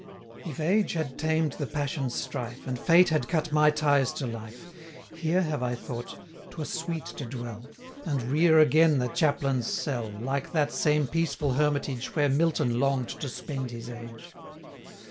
If age had tamed the passions' strife, And fate had cut my ties to life, Here have I thought, 'twere sweet to dwell, And rear again the chaplain's cell, 185 Like that same peaceful hermitage, Where Milton long'd to spend his age.